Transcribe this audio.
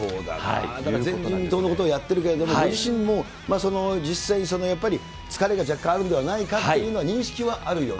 前人未到のことをやってるけれども、ご自身もその実際にやっぱり、疲れが若干あるんではないかというのは認識はあるよね。